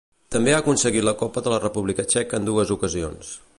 També ha aconseguit la Copa de la República Txeca en dues ocasions.